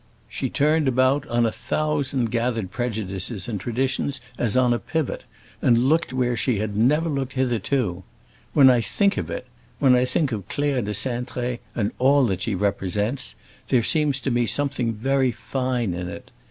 She turned about on a thousand gathered prejudices and traditions as on a pivot, and looked where she had never looked hitherto. When I think of it—when I think of Claire de Cintré and all that she represents, there seems to me something very fine in it.